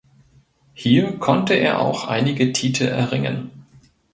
Hier konnte er auch einige Titel erringen.